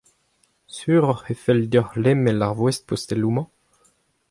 Sur ocʼh e fell deocʼh lemel ar voest posteloù-mañ ?